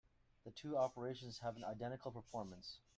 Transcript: The two operations have an identical performance.